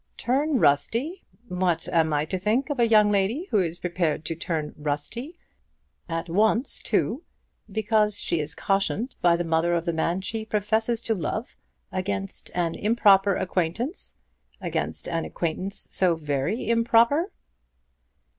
"Turn rusty! What am I to think of a young lady who is prepared to turn rusty, at once, too, because she is cautioned by the mother of the man she professes to love against an improper acquaintance, against an acquaintance so very improper?"